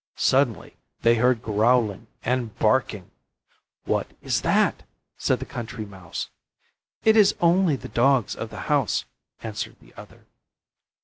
Suddenly they heard growling and barking. "What is that?" said the Country Mouse. "It is only the dogs of the house," answered the other.